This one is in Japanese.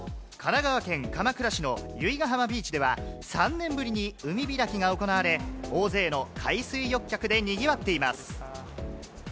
神奈川県鎌倉市の由比ガ浜ビーチでは３年ぶりに海開きが行われ、大勢の海水浴客でにぎわっています。